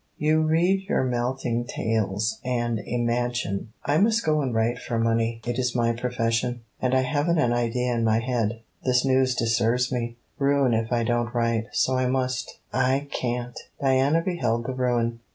You read your melting tales, and imagine. I must go and write for money: it is my profession. And I haven't an idea in my head. This news disturbs me. Ruin if I don't write; so I must. I can't!' Diana beheld the ruin.